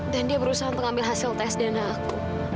dan dia berusaha untuk ambil hasil tes dana aku